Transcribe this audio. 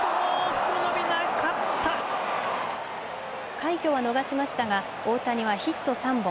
快挙は逃しましたが大谷はヒット３本。